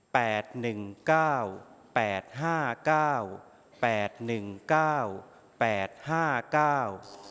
หนึ่งเก้าแปดห้าเก้าแปดหนึ่งเก้าแปดห้าเก้า